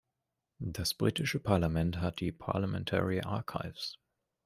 Das britische Parlament hat die "Parliamentary Archives".